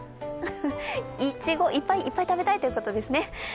いちご、いっぱいいっぱい食べたいということですね。